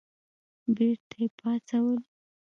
بېرته یې پاڅول.